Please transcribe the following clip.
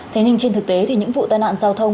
thế nhưng trên thực tế thì những vụ tai nạn giao thông